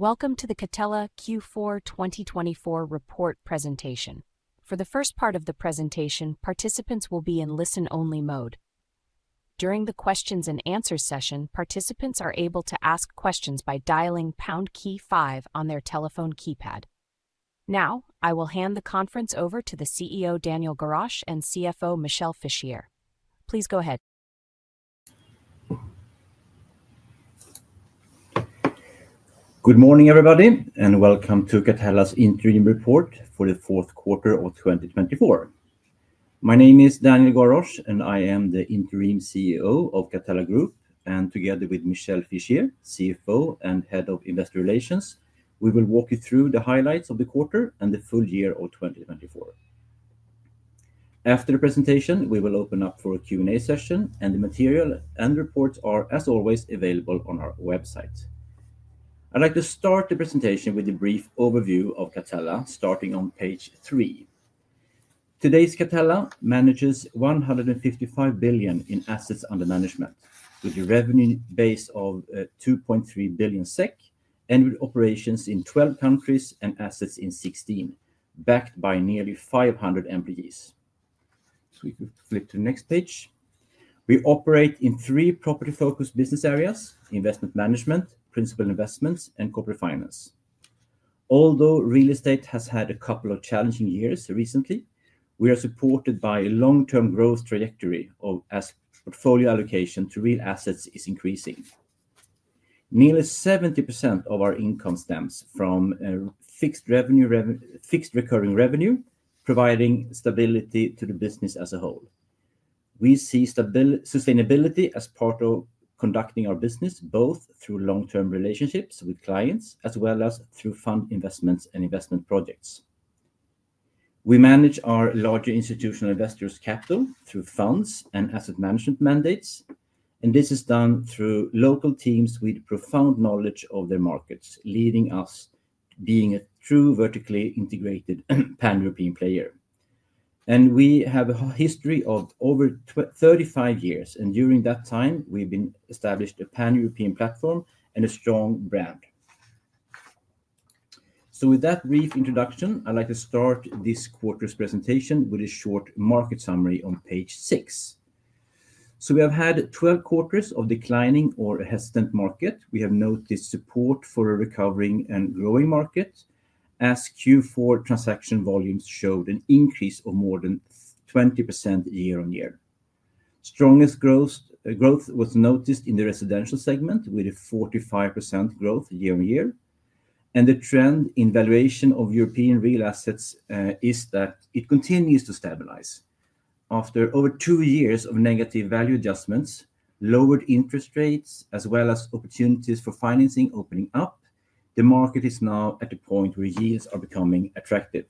Welcome to the Catella Q4 2024 report presentation. For the first part of the presentation, participants will be in listen-only mode. During the Q&A session, participants are able to ask questions by dialing #5 on their telephone keypad. Now, I will hand the conference over to the CEO Daniel Gorosch and CFO Michel Fischier. Please go ahead. Good morning, everybody, and welcome to Catella's Interim Report for the fourth quarter of 2024. My name is Daniel Gorosch, and I am the Interim CEO of Catella Group, and together with Michel Fischier, CFO and Head of Investor Relations, we will walk you through the highlights of the quarter and the full year of 2024. After the presentation, we will open up for a Q&A session, and the material and reports are, as always, available on our website. I'd like to start the presentation with a brief overview of Catella, starting on page 3. Today's Catella manages 155 billion in assets under management, with a revenue base of 2.3 billion SEK and with operations in 12 countries and assets in 16, backed by nearly 500 employees. We operate in three property-focused business areas: investment management, principal investments, and corporate finance. Although real estate has had a couple of challenging years recently, we are supported by a long-term growth trajectory as portfolio allocation to real assets is increasing. Nearly 70% of our income stems from fixed recurring revenue, providing stability to the business as a whole. We see sustainability as part of conducting our business, both through long-term relationships with clients as well as through fund investments and investment projects. We manage our larger institutional investors' capital through funds and asset management mandates, and this is done through local teams with profound knowledge of their markets, leading us to being a true vertically integrated pan-European player. We have a history of over 35 years, and during that time, we've established a pan-European platform and a strong brand. With that brief introduction, I'd like to start this quarter's presentation with a short market summary on page 6. We have had 12 quarters of declining or a hesitant market. We have noticed support for a recovering and growing market, as Q4 transaction volumes showed an increase of more than 20% year on year. Strongest growth was noticed in the residential segment, with a 45% growth year on year. The trend in valuation of European real assets is that it continues to stabilize. After over two years of negative value adjustments, lowered interest rates, as well as opportunities for financing opening up, the market is now at a point where yields are becoming attractive.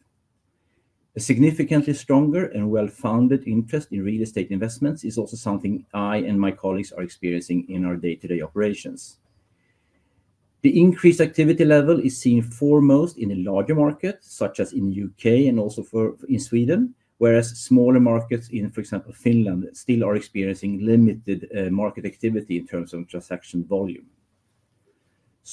A significantly stronger and well-founded interest in real estate investments is also something I and my colleagues are experiencing in our day-to-day operations. The increased activity level is seen foremost in the larger markets, such as in the U.K. and also in Sweden, whereas smaller markets in, for example, Finland still are experiencing limited market activity in terms of transaction volume.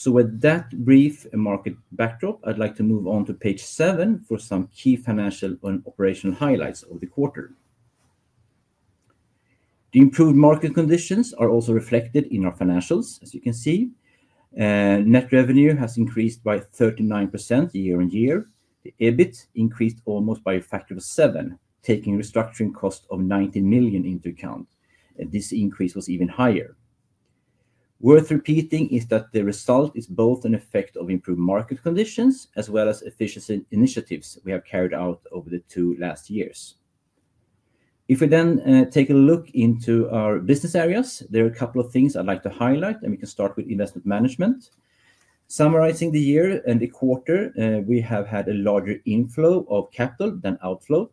With that brief market backdrop, I'd like to move on to page 7 for some key financial and operational highlights of the quarter. The improved market conditions are also reflected in our financials, as you can see. Net revenue has increased by 39% year on year. The EBIT increased almost by a factor of 7, taking a restructuring cost of 19 million into account. This increase was even higher. Worth repeating is that the result is both an effect of improved market conditions as well as efficiency initiatives we have carried out over the two last years. If we then take a look into our business areas, there are a couple of things I'd like to highlight, and we can start with investment management. Summarizing the year and the quarter, we have had a larger inflow of capital than outflow,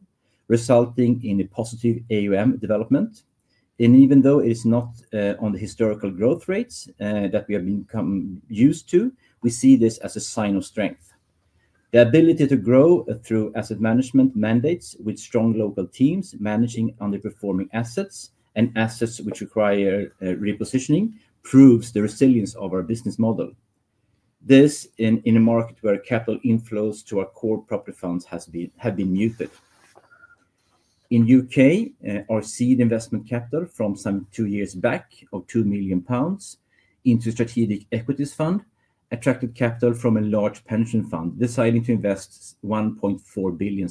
resulting in a positive AUM development. Even though it is not on the historical growth rates that we have become used to, we see this as a sign of strength. The ability to grow through asset management mandates with strong local teams managing underperforming assets and assets which require repositioning proves the resilience of our business model. This is in a market where capital inflows to our core property funds have been muted. In the U.K., our seed investment capital from some two years back of 2 million pounds into a strategic equities fund attracted capital from a large pension fund deciding to invest GBP 1.4 billion.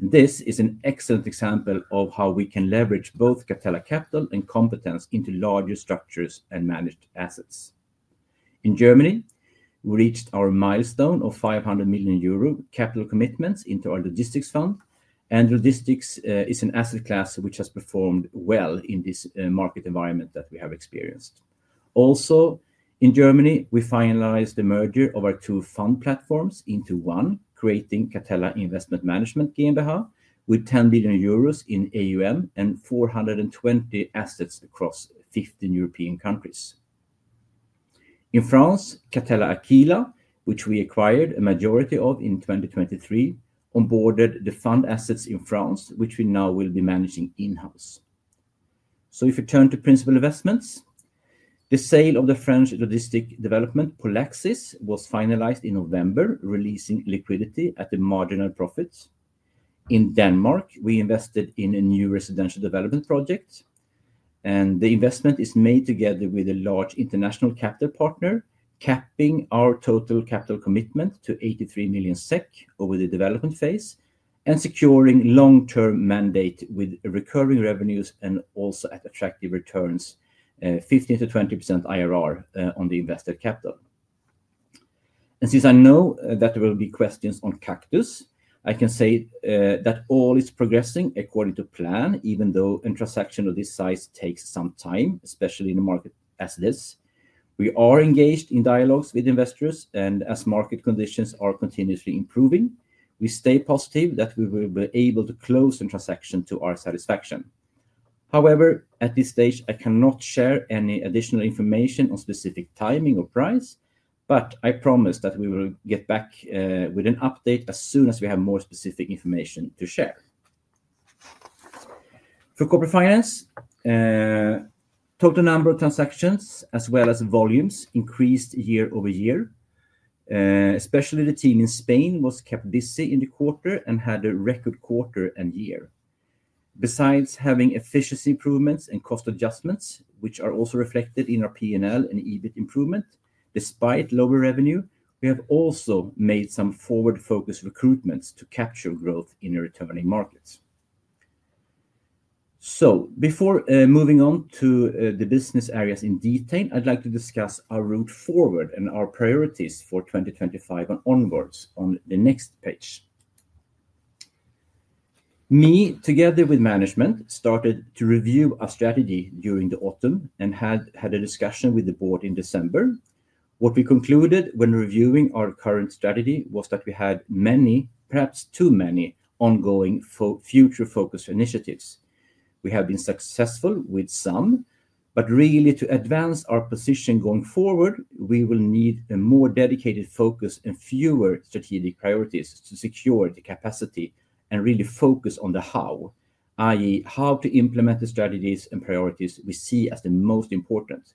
This is an excellent example of how we can leverage both Catella capital and competence into larger structures and managed assets. In Germany, we reached our milestone of 500 million euro capital commitments into our logistics fund, and logistics is an asset class which has performed well in this market environment that we have experienced. Also, in Germany, we finalized the merger of our two fund platforms into one, creating Catella Investment Management GmbH with 10 billion euros in AUM and 420 assets across 15 European countries. In France, Catella Aquila, which we acquired a majority of in 2023, onboarded the fund assets in France, which we now will be managing in-house. If we turn to principal investments, the sale of the French logistics development Polaxis was finalized in November, releasing liquidity at a marginal profit. In Denmark, we invested in a new residential development project, and the investment is made together with a large international capital partner, capping our total capital commitment to 83 million SEK over the development phase and securing long-term mandate with recurring revenues and also at attractive returns, 15%-20% IRR on the invested capital. Since I know that there will be questions on Kaktus, I can say that all is progressing according to plan, even though a transaction of this size takes some time, especially in a market as this. We are engaged in dialogues with investors, and as market conditions are continuously improving, we stay positive that we will be able to close the transaction to our satisfaction. However, at this stage, I cannot share any additional information on specific timing or price, but I promise that we will get back with an update as soon as we have more specific information to share. For Corporate Finance, total number of transactions as well as volumes increased year over year. Especially the team in Spain was capped this year in the quarter and had a record quarter and year. Besides having efficiency improvements and cost adjustments, which are also reflected in our P&L and EBIT improvement, despite lower revenue, we have also made some forward-focused recruitments to capture growth in returning markets. Before moving on to the business areas in detail, I'd like to discuss our route forward and our priorities for 2025 onwards on the next page. Me, together with management, started to review our strategy during the autumn and had a discussion with the board in December. What we concluded when reviewing our current strategy was that we had many, perhaps too many, ongoing future-focused initiatives. We have been successful with some, but really, to advance our position going forward, we will need a more dedicated focus and fewer strategic priorities to secure the capacity and really focus on the how, i.e., how to implement the strategies and priorities we see as the most important.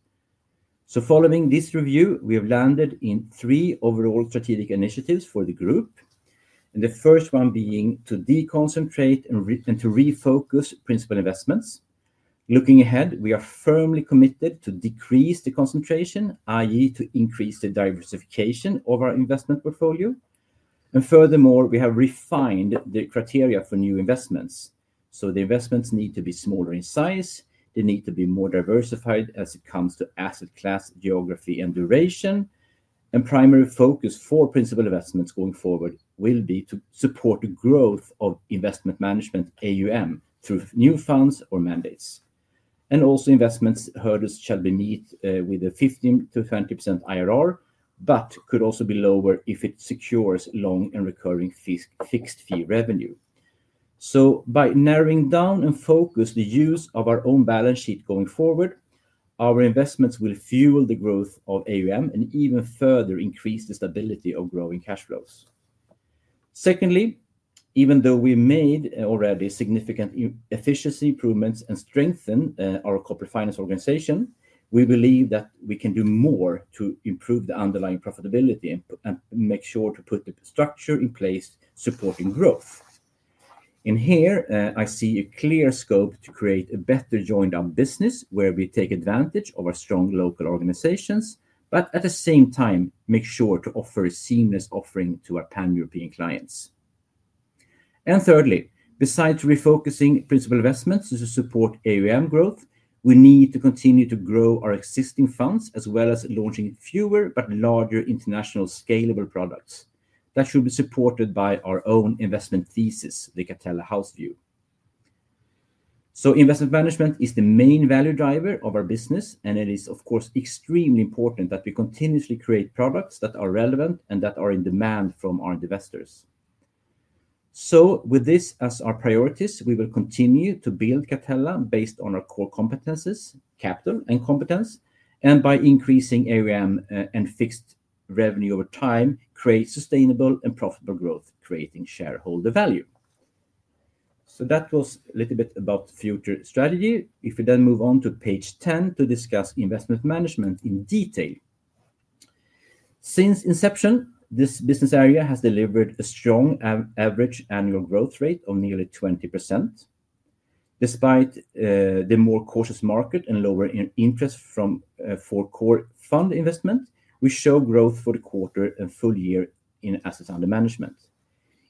Following this review, we have landed in three overall strategic initiatives for the group, and the first one being to deconcentrate and to refocus principal investments. Looking ahead, we are firmly committed to decrease the concentration, i.e., to increase the diversification of our investment portfolio. Furthermore, we have refined the criteria for new investments. The investments need to be smaller in size. They need to be more diversified as it comes to asset class, geography, and duration. Primary focus for principal investments going forward will be to support the growth of investment management AUM through new funds or mandates. Also, investment hurdles shall be met with a 15%-20% IRR, but could also be lower if it secures long and recurring fixed fee revenue. By narrowing down and focusing the use of our own balance sheet going forward, our investments will fuel the growth of AUM and even further increase the stability of growing cash flows. Secondly, even though we made already significant efficiency improvements and strengthened our corporate finance organization, we believe that we can do more to improve the underlying profitability and make sure to put the structure in place supporting growth. Here, I see a clear scope to create a better joint-arm business where we take advantage of our strong local organizations, but at the same time, make sure to offer a seamless offering to our pan-European clients. Thirdly, besides refocusing principal investments to support AUM growth, we need to continue to grow our existing funds as well as launching fewer but larger international scalable products that should be supported by our own investment thesis, the Catella House view. Investment management is the main value driver of our business, and it is, of course, extremely important that we continuously create products that are relevant and that are in demand from our investors. With this as our priorities, we will continue to build Catella based on our core competences, capital and competence, and by increasing AUM and fixed revenue over time, create sustainable and profitable growth, creating shareholder value. That was a little bit about future strategy. If we then move on to page 10 to discuss investment management in detail. Since inception, this business area has delivered a strong average annual growth rate of nearly 20%. Despite the more cautious market and lower interest from core fund investment, we show growth for the quarter and full year in assets under management.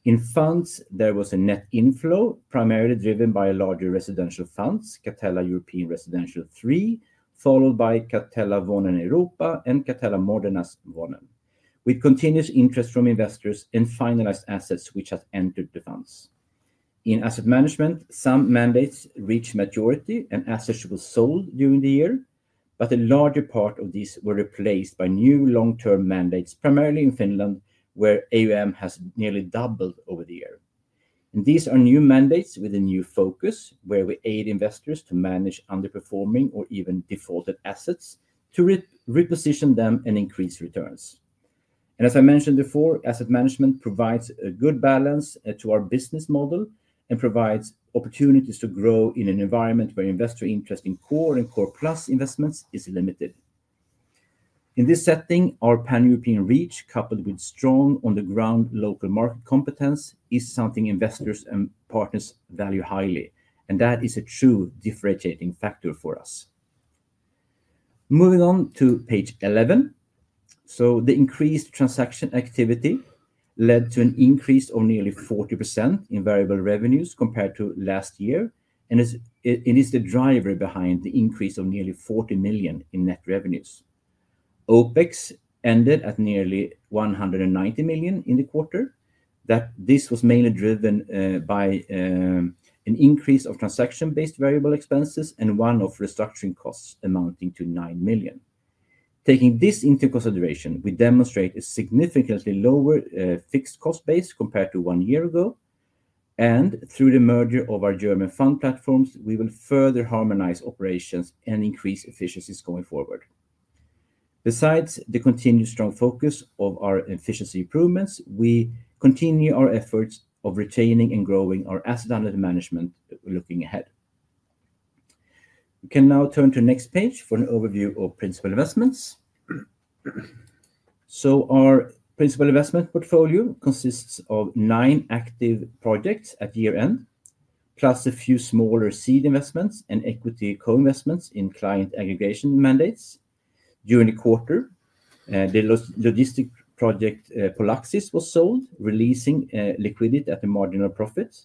In funds, there was a net inflow primarily driven by larger residential funds, Catella European Residential 3, followed by Catella Vonnen Europa and Catella Modernas Vonnen, with continuous interest from investors and finalized assets which have entered the funds. In asset management, some mandates reached majority and assets were sold during the year, but a larger part of these were replaced by new long-term mandates, primarily in Finland, where AUM has nearly doubled over the year. These are new mandates with a new focus where we aid investors to manage underperforming or even defaulted assets to reposition them and increase returns. As I mentioned before, asset management provides a good balance to our business model and provides opportunities to grow in an environment where investor interest in core and core plus investments is limited. In this setting, our pan-European reach, coupled with strong on-the-ground local market competence, is something investors and partners value highly, and that is a true differentiating factor for us. Moving on to page 11. The increased transaction activity led to an increase of nearly 40% in variable revenues compared to last year, and it is the driver behind the increase of nearly 40 million in net revenues. OpEx ended at nearly 190 million in the quarter. This was mainly driven by an increase of transaction-based variable expenses and one-off restructuring costs amounting to 9 million. Taking this into consideration, we demonstrate a significantly lower fixed cost base compared to one year ago. Through the merger of our German fund platforms, we will further harmonize operations and increase efficiencies going forward. Besides the continued strong focus of our efficiency improvements, we continue our efforts of retaining and growing our assets under management looking ahead. We can now turn to the next page for an overview of principal investments. Our principal investment portfolio consists of nine active projects at year-end, plus a few smaller seed investments and equity co-investments in client aggregation mandates. During the quarter, the logistics project Polaxis was sold, releasing liquidity at a marginal profit.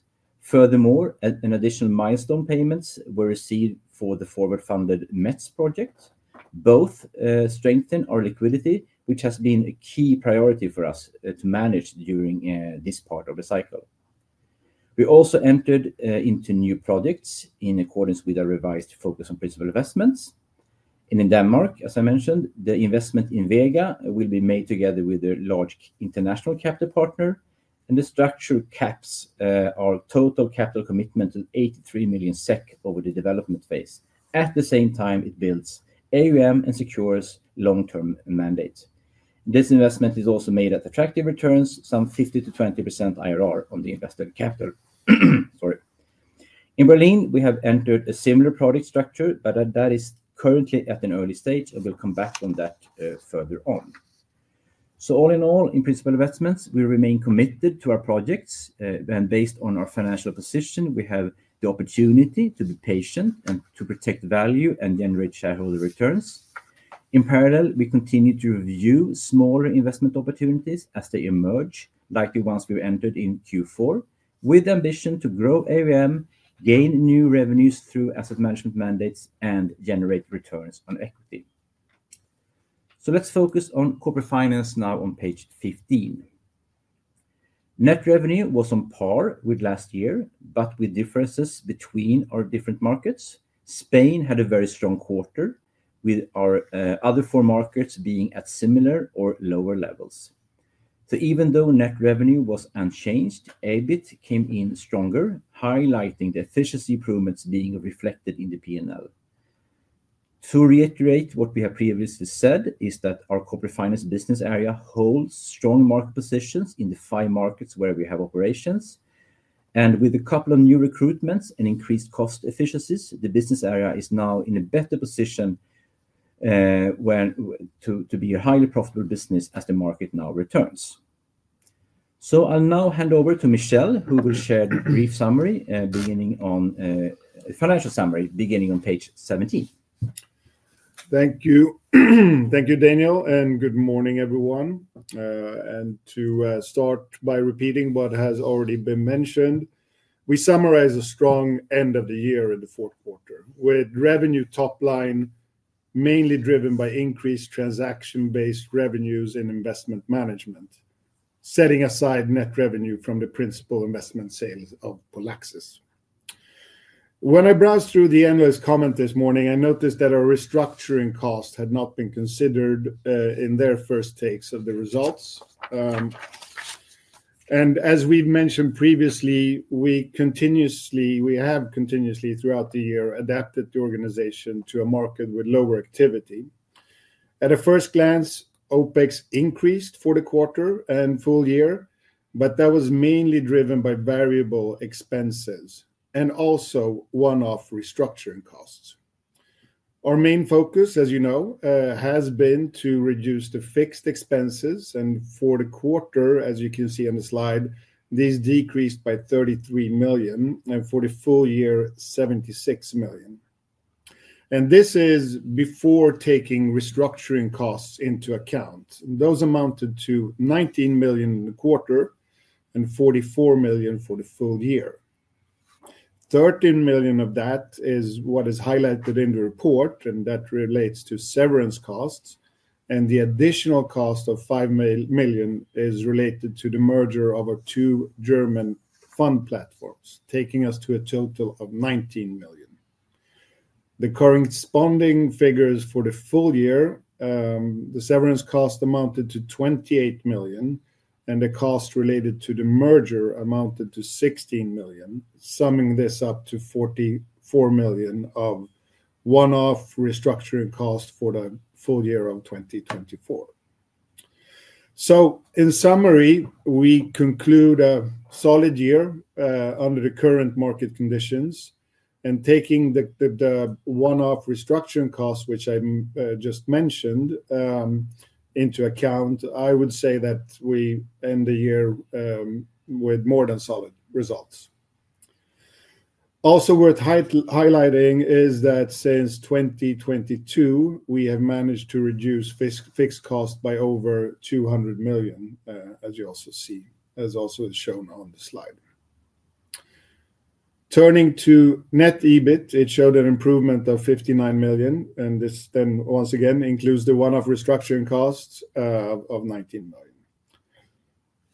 Furthermore, additional milestone payments were received for the forward-funded METS project. Both strengthen our liquidity, which has been a key priority for us to manage during this part of the cycle. We also entered into new projects in accordance with our revised focus on principal investments. In Denmark, as I mentioned, the investment in Vega will be made together with a large international capital partner, and the structure caps our total capital commitment to 83 million SEK over the development phase. At the same time, it builds AUM and secures long-term mandates. This investment is also made at attractive returns, some 15%-20% IRR on the invested capital. In Berlin, we have entered a similar project structure, but that is currently at an early stage, and we'll come back on that further on. All in all, in principal investments, we remain committed to our projects. When based on our financial position, we have the opportunity to be patient and to protect value and generate shareholder returns. In parallel, we continue to review smaller investment opportunities as they emerge, likely ones we've entered in Q4, with the ambition to grow AUM, gain new revenues through asset management mandates, and generate returns on equity. Let's focus on corporate finance now on page 15. Net revenue was on par with last year, but with differences between our different markets. Spain had a very strong quarter, with our other four markets being at similar or lower levels. Even though net revenue was unchanged, EBIT came in stronger, highlighting the efficiency improvements being reflected in the P&L. To reiterate what we have previously said is that our Corporate Finance business area holds strong market positions in the five markets where we have operations. With a couple of new recruitments and increased cost efficiencies, the business area is now in a better position to be a highly profitable business as the market now returns. I'll now hand over to Michel, who will share the brief summary beginning on a financial summary beginning on page 17. Thank you. Thank you, Daniel. Good morning, everyone. To start by repeating what has already been mentioned, we summarize a strong end of the year in the fourth quarter with revenue top line mainly driven by increased transaction-based revenues in investment management, setting aside net revenue from the principal investment sales of Polaxis. When I browsed through the analyst comment this morning, I noticed that our restructuring cost had not been considered in their first takes of the results. As we've mentioned previously, we have continuously throughout the year adapted the organization to a market with lower activity. At a first glance, OpEx increased for the quarter and full year, but that was mainly driven by variable expenses and also one-off restructuring costs. Our main focus, as you know, has been to reduce the fixed expenses. For the quarter, as you can see on the slide, these decreased by 33 million and for the full year, 76 million. This is before taking restructuring costs into account. Those amounted to 19 million in the quarter and 44 million for the full year. 13 million of that is what is highlighted in the report, and that relates to severance costs. The additional cost of 5 million is related to the merger of our two German fund platforms, taking us to a total of 19 million. The corresponding figures for the full year, the severance cost amounted to 28 million, and the cost related to the merger amounted to 16 million, summing this up to 44 million of one-off restructuring cost for the full year of 2024. In summary, we conclude a solid year under the current market conditions. Taking the one-off restructuring cost, which I just mentioned, into account, I would say that we end the year with more than solid results. Also worth highlighting is that since 2022, we have managed to reduce fixed costs by over 200 million, as you also see, as also is shown on the slide. Turning to net EBIT, it showed an improvement of 59 million. This then once again includes the one-off restructuring costs of 19 million.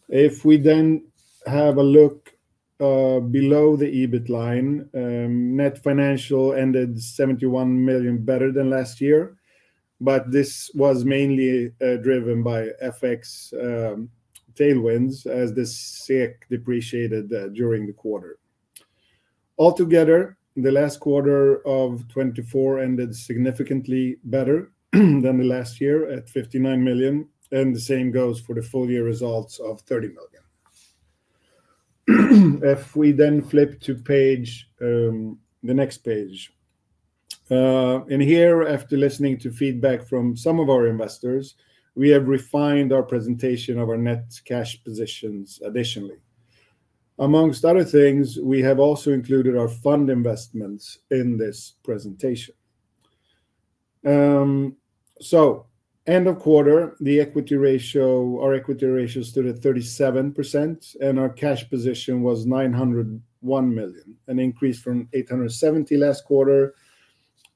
If we then have a look below the EBIT line, net financial ended 71 million better than last year, but this was mainly driven by FX tailwinds as the SEK depreciated during the quarter. Altogether, the last quarter of 2024 ended significantly better than last year at 59 million, and the same goes for the full year results of 30 million. If we then flip to the next page, in here, after listening to feedback from some of our investors, we have refined our presentation of our net cash positions additionally. Amongst other things, we have also included our fund investments in this presentation. End of quarter, our equity ratio stood at 37%, and our cash position was 901 million, an increase from 870 million last quarter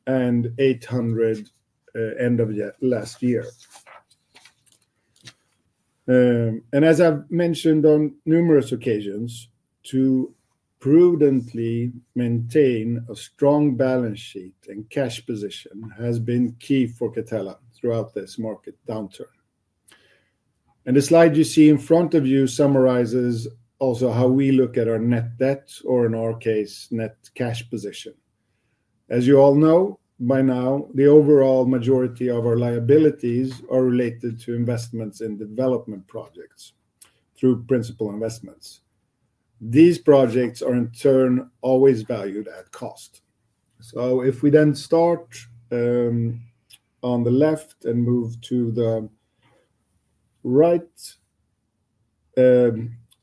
and 800 million end of last year. As I've mentioned on numerous occasions, to prudently maintain a strong balance sheet and cash position has been key for Catella throughout this market downturn. The slide you see in front of you summarizes also how we look at our net debt, or in our case, net cash position. As you all know by now, the overall majority of our liabilities are related to investments in development projects through principal investments. These projects are in turn always valued at cost. If we then start on the left and move to the right,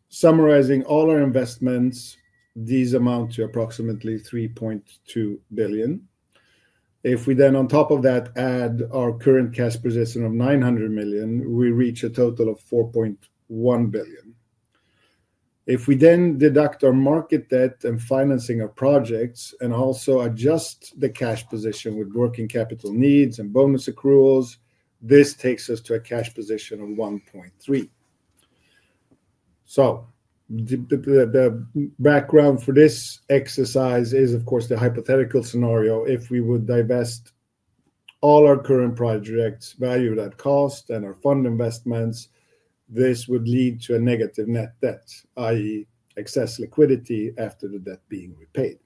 summarizing all our investments, these amount to approximately 3.2 billion. If we then, on top of that, add our current cash position of 900 million, we reach a total of 4.1 billion. If we then deduct our market debt and financing of projects and also adjust the cash position with working capital needs and bonus accruals, this takes us to a cash position of 1.3 billion. The background for this exercise is, of course, the hypothetical scenario. If we would divest all our current projects, value that cost, and our fund investments, this would lead to a negative net debt, i.e., excess liquidity after the debt being repaid.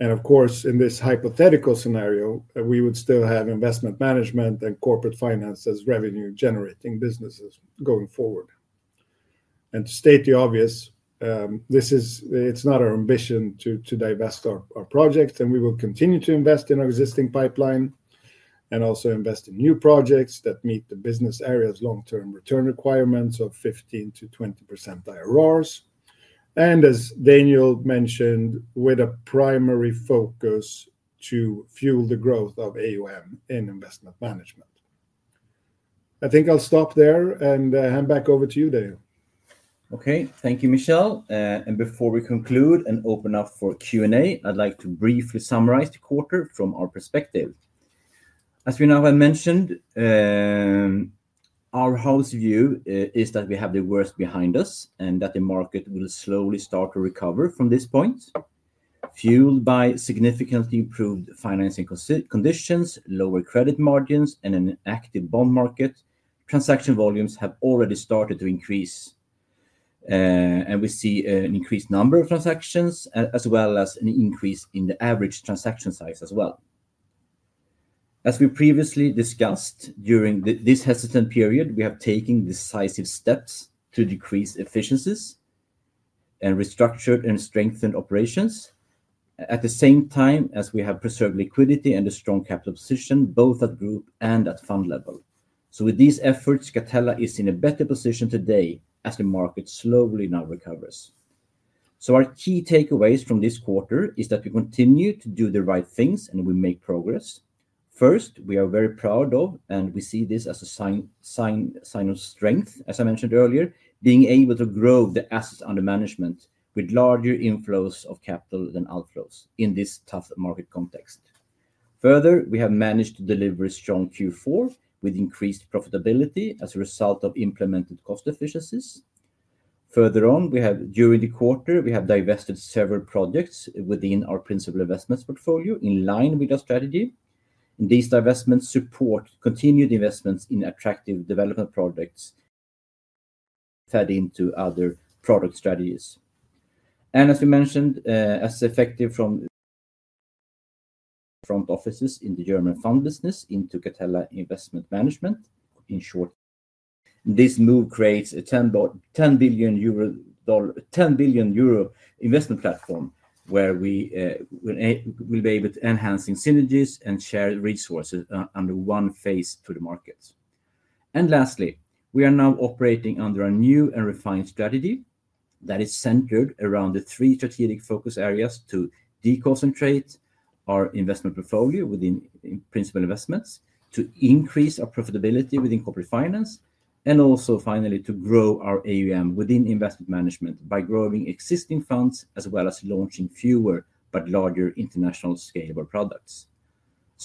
Of course, in this hypothetical scenario, we would still have investment management and corporate finance as revenue-generating businesses going forward. To state the obvious, it's not our ambition to divest our projects, and we will continue to invest in our existing pipeline and also invest in new projects that meet the business area's long-term return requirements of 15%-20% IRRs. As Daniel mentioned, with a primary focus to fuel the growth of AUM in investment management. I think I'll stop there and hand back over to you, Daniel. Okay, thank you, Michel. Before we conclude and open up for Q&A, I'd like to briefly summarize the quarter from our perspective. As we now have mentioned, our houseview is that we have the worst behind us and that the market will slowly start to recover from this point. Fueled by significantly improved financing conditions, lower credit margins, and an active bond market, transaction volumes have already started to increase. We see an increased number of transactions as well as an increase in the average transaction size as well. As we previously discussed, during this hesitant period, we have taken decisive steps to decrease efficiencies and restructured and strengthened operations at the same time as we have preserved liquidity and a strong capital position, both at group and at fund level. With these efforts, Catella is in a better position today as the market slowly now recovers. Our key takeaways from this quarter is that we continue to do the right things and we make progress. First, we are very proud of, and we see this as a sign of strength, as I mentioned earlier, being able to grow the assets under management with larger inflows of capital than outflows in this tough market context. Further, we have managed to deliver a strong Q4 with increased profitability as a result of implemented cost efficiencies. Further on, during the quarter, we have divested several projects within our principal investments portfolio in line with our strategy. These divestments support continued investments in attractive development projects fed into other product strategies. As we mentioned, as effective from front offices in the German fund business into Catella Investment Management in short. This move creates a 10 billion euro investment platform where we will be able to enhance synergies and share resources under one face to the markets. Lastly, we are now operating under a new and refined strategy that is centered around the three strategic focus areas to deconcentrate our investment portfolio within principal investments, to increase our profitability within corporate finance, and also finally to grow our AUM within investment management by growing existing funds as well as launching fewer but larger international scalable products.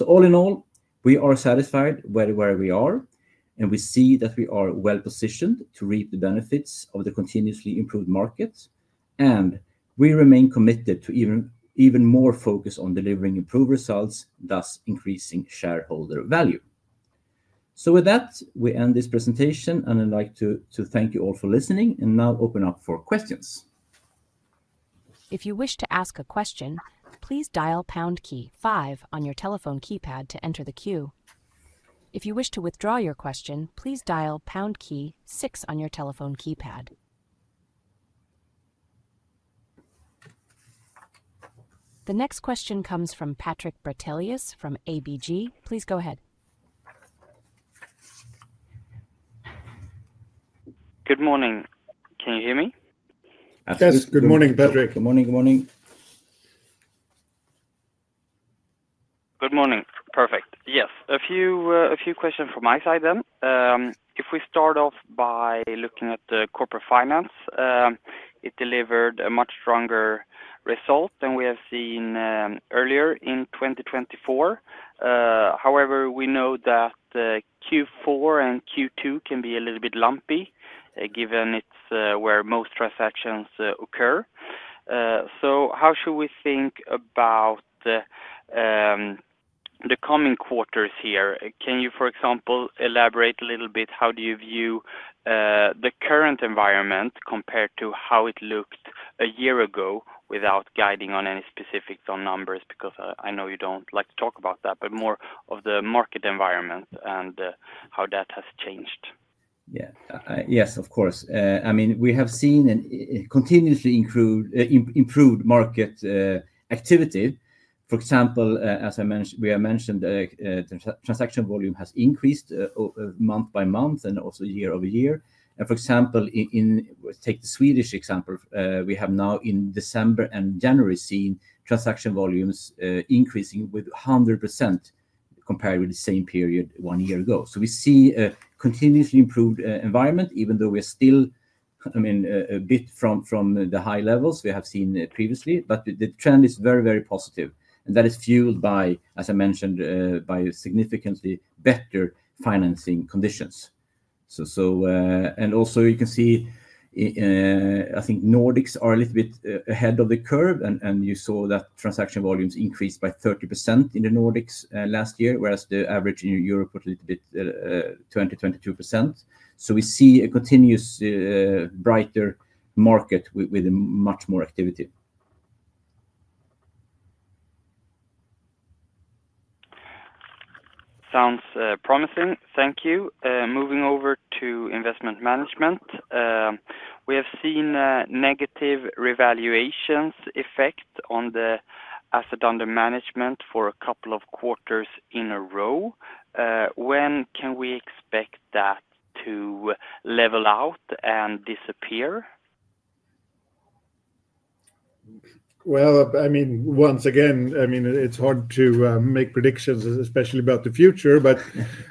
All in all, we are satisfied with where we are, and we see that we are well positioned to reap the benefits of the continuously improved markets. We remain committed to even more focus on delivering improved results, thus increasing shareholder value. With that, we end this presentation, and I'd like to thank you all for listening and now open up for questions. If you wish to ask a question, please dial pound key five on your telephone keypad to enter the queue. If you wish to withdraw your question, please dial pound key six on your telephone keypad. The next question comes from Patrik Brattelius from ABG. Please go ahead. Good morning. Can you hear me? Yes. Good morning, Patrik. Good morning. Good morning. Good morning. Perfect. Yes. A few questions from my side then. If we start off by looking at the corporate finance, it delivered a much stronger result than we have seen earlier in 2024. However, we know that Q4 and Q2 can be a little bit lumpy given where most transactions occur. How should we think about the coming quarters here? Can you, for example, elaborate a little bit? How do you view the current environment compared to how it looked a year ago without guiding on any specifics on numbers? Because I know you do not like to talk about that, but more of the market environment and how that has changed. Yeah. Yes, of course. I mean, we have seen a continuously improved market activity. For example, as I mentioned, we have mentioned the transaction volume has increased month by month and also year over year. For example, take the Swedish example. We have now in December and January seen transaction volumes increasing with 100% compared with the same period one year ago. We see a continuously improved environment, even though we are still, I mean, a bit from the high levels we have seen previously, but the trend is very, very positive. That is fueled by, as I mentioned, by significantly better financing conditions. You can see, I think Nordics are a little bit ahead of the curve, and you saw that transaction volumes increased by 30% in the Nordics last year, whereas the average in Europe was a little bit 20-22%. We see a continuous brighter market with much more activity. Sounds promising. Thank you. Moving over to investment management, we have seen negative revaluations effect on the asset under management for a couple of quarters in a row. When can we expect that to level out and disappear? I mean, once again, it's hard to make predictions, especially about the future, but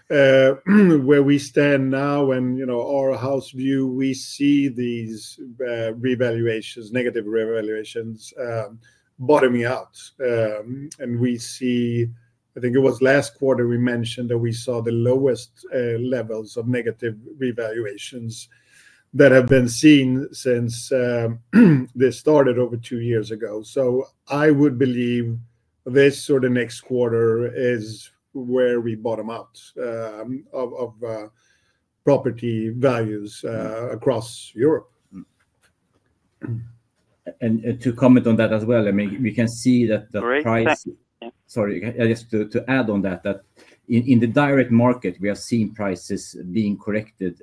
where we stand now and our house view, we see these revaluations, negative revaluations bottoming out. We see, I think it was last quarter we mentioned that we saw the lowest levels of negative revaluations that have been seen since this started over two years ago. I would believe this or the next quarter is where we bottom out of property values across Europe. To comment on that as well, I mean, we can see that the price—sorry, just to add on that—that in the direct market, we have seen prices being corrected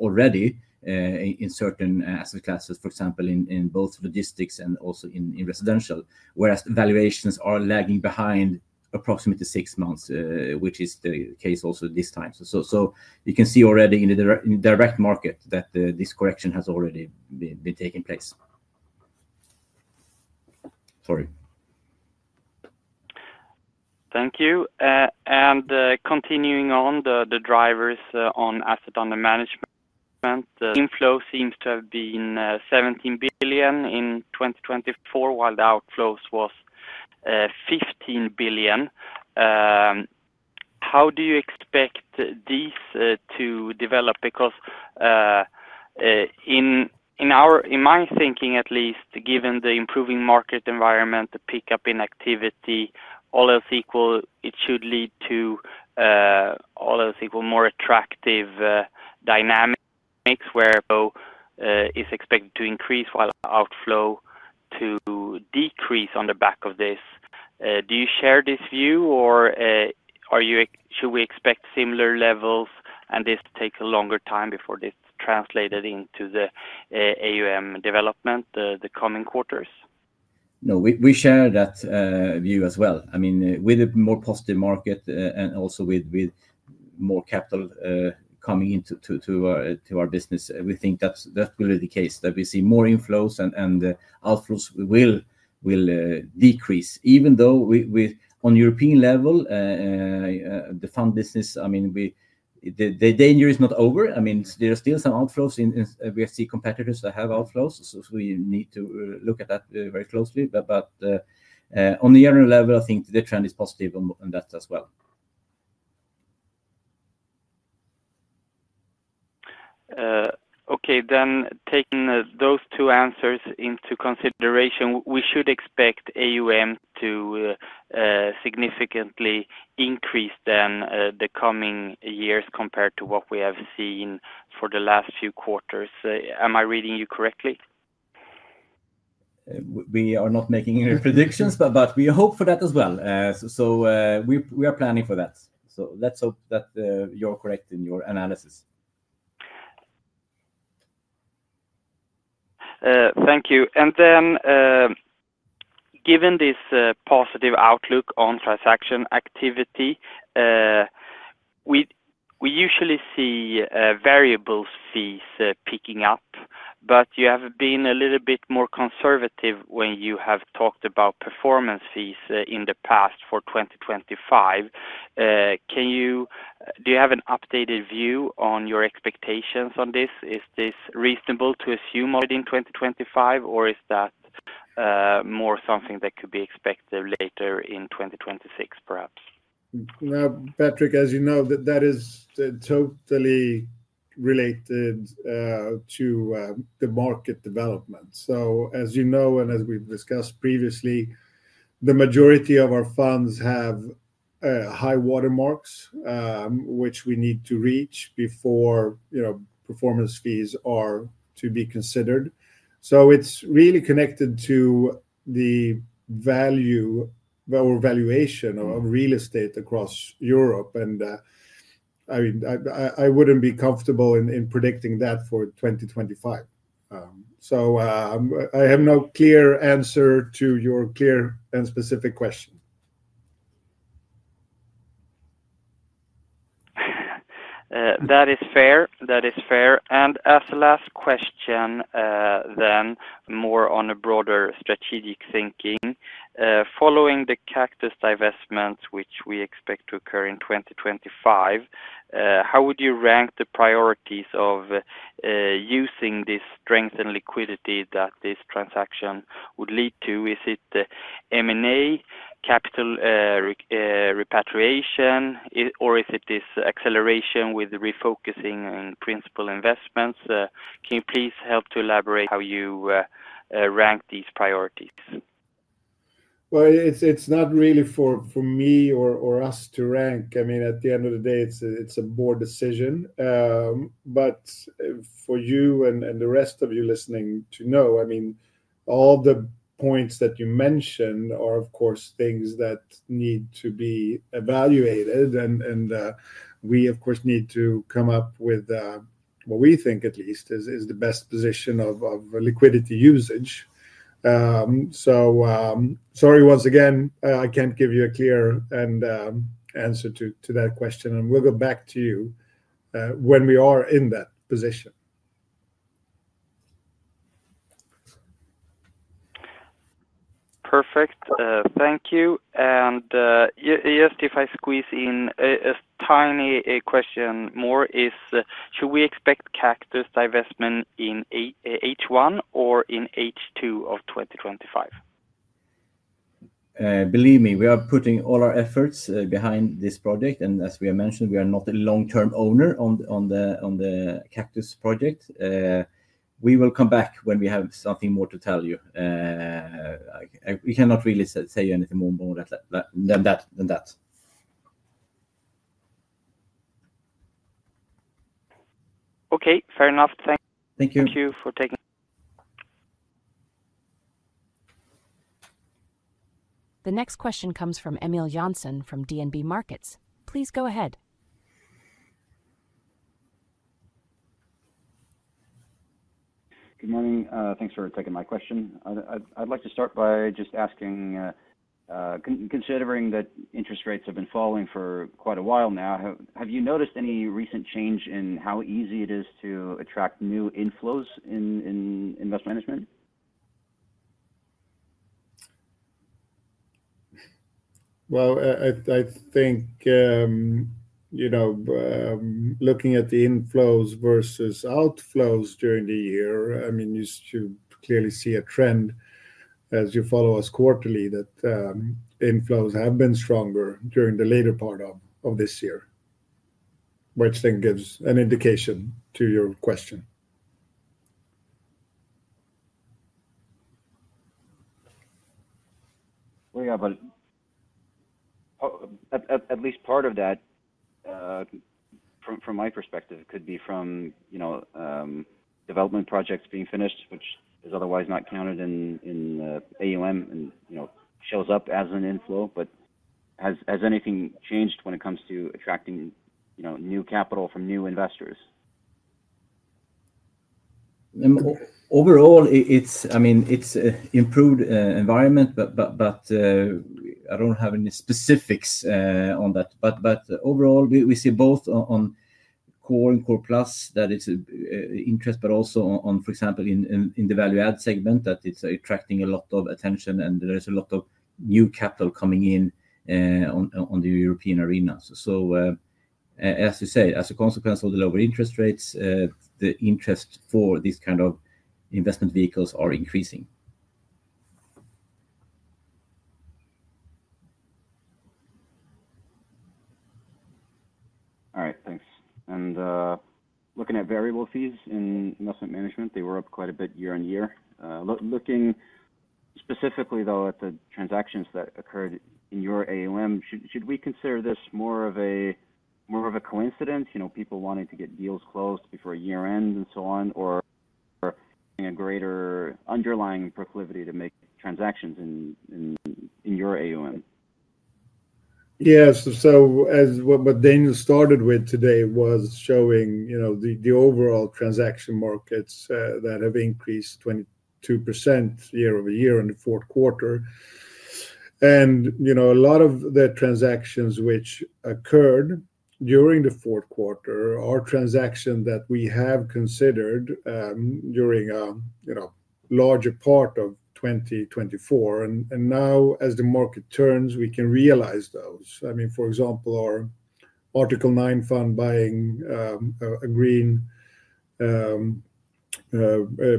already in certain asset classes, for example, in both logistics and also in residential, whereas valuations are lagging behind approximately six months, which is the case also this time. You can see already in the direct market that this correction has already been taking place. Sorry. Thank you. Continuing on the drivers on asset under management, inflow seems to have been 17 billion in 2024, while the outflows was 15 billion. How do you expect these to develop? Because in my thinking, at least, given the improving market environment, the pickup in activity, all else equal, it should lead to all else equal more attractive dynamics where inflow is expected to increase, while outflow to decrease on the back of this. Do you share this view, or should we expect similar levels and this to take a longer time before this translated into the AUM development the coming quarters? No, we share that view as well. I mean, with a more positive market and also with more capital coming into our business, we think that will be the case, that we see more inflows and outflows will decrease. Even though on European level, the fund business, I mean, the danger is not over. I mean, there are still some outflows. We have seen competitors that have outflows, so we need to look at that very closely. On the general level, I think the trend is positive on that as well. Okay, then taking those two answers into consideration, we should expect AUM to significantly increase then the coming years compared to what we have seen for the last few quarters. Am I reading you correctly? We are not making any predictions, but we hope for that as well. We are planning for that. Let's hope that you're correct in your analysis. Thank you. Given this positive outlook on transaction activity, we usually see variable fees picking up, but you have been a little bit more conservative when you have talked about performance fees in the past for 2025. Do you have an updated view on your expectations on this? Is this reasonable to assume in 2025, or is that more something that could be expected later in 2026, perhaps? Patrik, as you know, that is totally related to the market development. As you know, and as we've discussed previously, the majority of our funds have high watermarks, which we need to reach before performance fees are to be considered. It is really connected to the value or valuation of real estate across Europe. I would not be comfortable in predicting that for 2025. I have no clear answer to your clear and specific question. That is fair. That is fair. As a last question then, more on a broader strategic thinking, following the Kaktus divestments, which we expect to occur in 2025, how would you rank the priorities of using this strength and liquidity that this transaction would lead to? Is it M&A, capital repatriation, or is it this acceleration with refocusing in principal investments? Can you please help to elaborate how you rank these priorities? It is not really for me or us to rank. I mean, at the end of the day, it is a board decision. For you and the rest of you listening to know, I mean, all the points that you mentioned are, of course, things that need to be evaluated. We, of course, need to come up with what we think at least is the best position of liquidity usage. Sorry once again, I can't give you a clear answer to that question. We will go back to you when we are in that position. Perfect. Thank you. Just if I squeeze in a tiny question more, should we expect Kaktus divestment in H1 or in H2 of 2025? Believe me, we are putting all our efforts behind this project. As we have mentioned, we are not a long-term owner on the Kaktus project. We will come back when we have something more to tell you. We cannot really say anything more than that. Okay. Fair enough. Thank you. Thank you for taking— The next question comes from Emil Johnsen from DNB Markets. Please go ahead. Good morning. Thanks for taking my question. I'd like to start by just asking, considering that interest rates have been falling for quite a while now, have you noticed any recent change in how easy it is to attract new inflows in investment management? I think looking at the inflows versus outflows during the year, you should clearly see a trend as you follow us quarterly that inflows have been stronger during the later part of this year, which then gives an indication to your question. We have at least part of that from my perspective. It could be from development projects being finished, which is otherwise not counted in AUM and shows up as an inflow. Has anything changed when it comes to attracting new capital from new investors? Overall, it's an improved environment, but I don't have any specifics on that. Overall, we see both on core and core plus that it's interest, but also, for example, in the value-add segment that it's attracting a lot of attention and there is a lot of new capital coming in on the European arena. As you say, as a consequence of the lower interest rates, the interest for these kinds of investment vehicles are increasing. All right. Thanks. Looking at variable fees in investment management, they were up quite a bit year on year. Looking specifically, though, at the transactions that occurred in your AUM, should we consider this more of a coincidence, people wanting to get deals closed before year-end and so on, or a greater underlying proclivity to make transactions in your AUM? Yes. What Daniel started with today was showing the overall transaction markets that have increased 22% year over year in the fourth quarter. A lot of the transactions which occurred during the fourth quarter are transactions that we have considered during a larger part of 2024. Now, as the market turns, we can realize those. I mean, for example, our Article 9 fund buying a green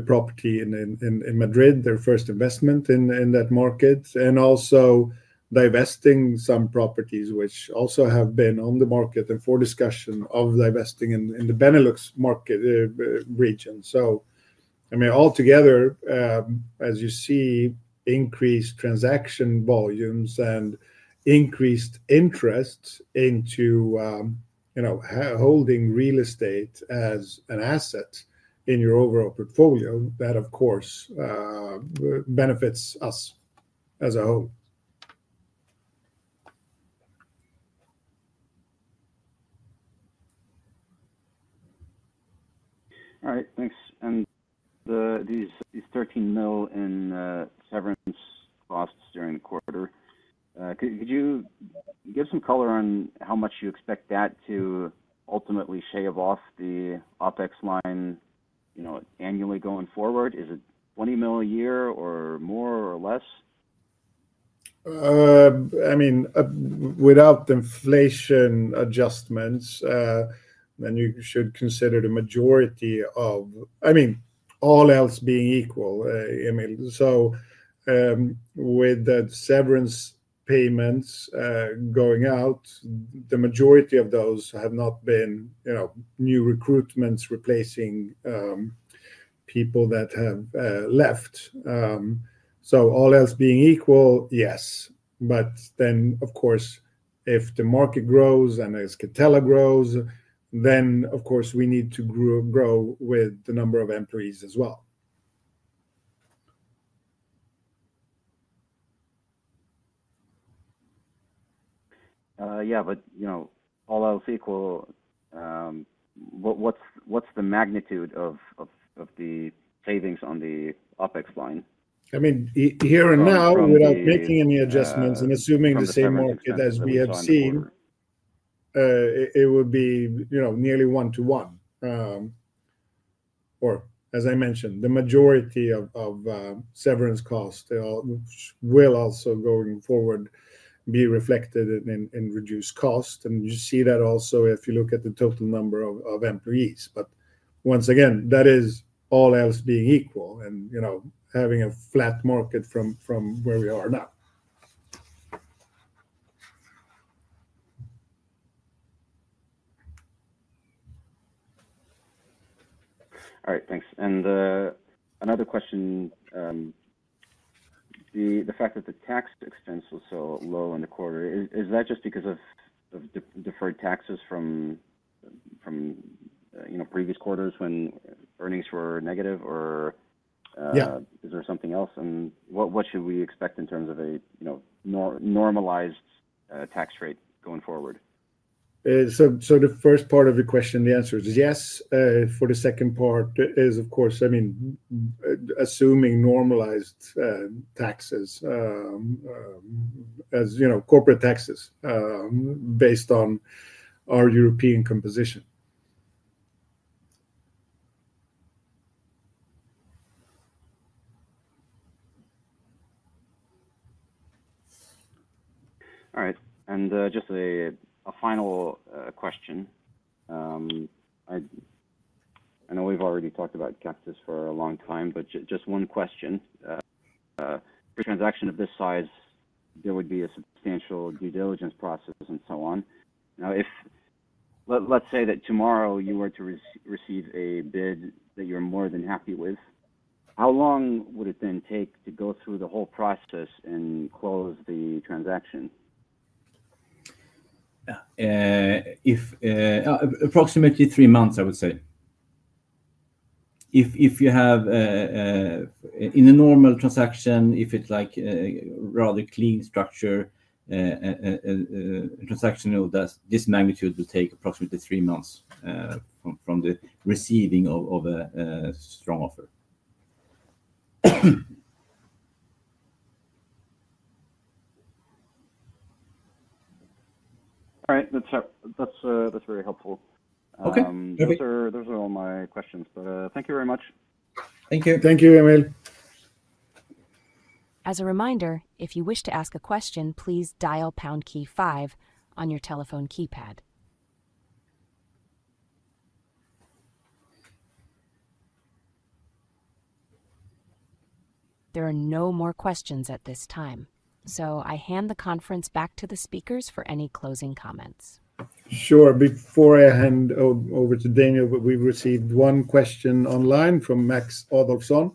property in Madrid, their first investment in that market, and also divesting some properties which also have been on the market and for discussion of divesting in the Benelux market region. I mean, altogether, as you see, increased transaction volumes and increased interest into holding real estate as an asset in your overall portfolio, that, of course, benefits us as a whole. All right. Thanks. These 13 million in severance costs during the quarter, could you give some color on how much you expect that to ultimately shave off the OpEx line annually going forward? Is it 20 million a year or more or less? I mean, without inflation adjustments, then you should consider the majority of, I mean, all else being equal, Emil. With the severance payments going out, the majority of those have not been new recruitments replacing people that have left. All else being equal, yes. Of course, if the market grows and as Catella grows, we need to grow with the number of employees as well. Yeah, but all else equal, what's the magnitude of the savings on the OpEx line? I mean, here and now, without making any adjustments and assuming the same market as we have seen, it would be nearly one to one. Or, as I mentioned, the majority of severance costs will also going forward be reflected in reduced costs. You see that also if you look at the total number of employees. Once again, that is all else being equal and having a flat market from where we are now. All right. Thanks. Another question, the fact that the tax expense was so low in the quarter, is that just because of deferred taxes from previous quarters when earnings were negative, or is there something else? What should we expect in terms of a normalized tax rate going forward? The first part of the question, the answer is yes. For the second part, it is, of course, I mean, assuming normalized taxes as corporate taxes based on our European composition. All right. Just a final question. I know we've already talked about Kaktus for a long time, but just one question. For a transaction of this size, there would be a substantial due diligence process and so on. Now, let's say that tomorrow you were to receive a bid that you're more than happy with. How long would it then take to go through the whole process and close the transaction? Approximately three months, I would say. If you have in a normal transaction, if it's like a rather clean structure, a transaction of this magnitude would take approximately three months from the receiving of a strong offer. All right. That's very helpful. Those are all my questions. Thank you very much. Thank you. Thank you, Emil. As a reminder, if you wish to ask a question, please dial Poundkey 5 on your telephone keypad. There are no more questions at this time. I hand the conference back to the speakers for any closing comments. Sure. Before I hand over to Daniel, we received one question online from Max Odorsson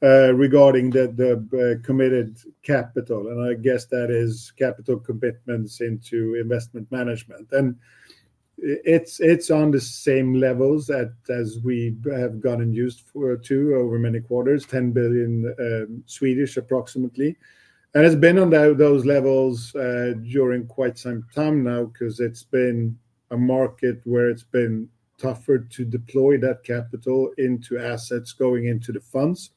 regarding the committed capital. I guess that is capital commitments into investment management. It is on the same levels as we have gotten used to over many quarters, 10 billion, approximately. It has been on those levels during quite some time now because it has been a market where it has been tougher to deploy that capital into assets going into the funds.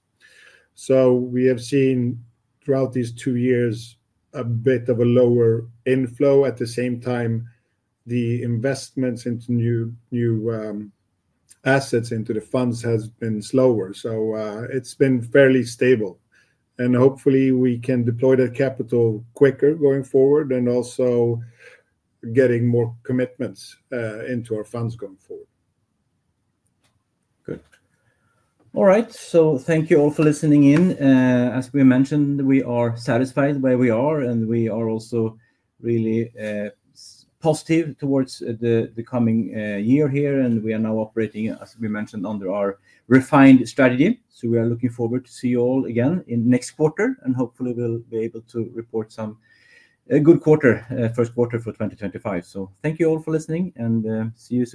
We have seen throughout these two years a bit of a lower inflow. At the same time, the investments into new assets into the funds has been slower. It has been fairly stable. Hopefully, we can deploy that capital quicker going forward and also get more commitments into our funds going forward. Good. All right. Thank you all for listening in. As we mentioned, we are satisfied where we are, and we are also really positive towards the coming year here. We are now operating, as we mentioned, under our refined strategy. We are looking forward to see you all again in next quarter. Hopefully, we'll be able to report some good quarter, first quarter for 2025. Thank you all for listening, and see you.